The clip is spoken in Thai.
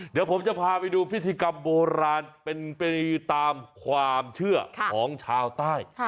เดี๋ยวผมจะพาไปดูพิธีกรรมโบราณเป็นไปตามความเชื่อของชาวใต้